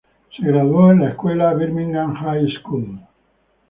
Se graduó en la escuela Birmingham High School.